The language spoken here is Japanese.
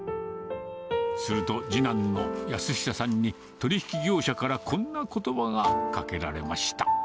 すると次男の安久さんに、取り引き業者からこんなことばがかけられました。